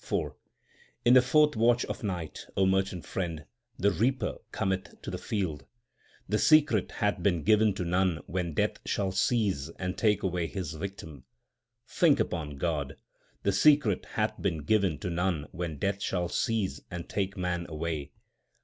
IV In the fourth watch of night, merchant friend, the reaper cometh to the field ; The secret hath been given to none when Death shall seize and take away his victim. Think upon God ; the secret hath been given to none when Death shall seize and take man away.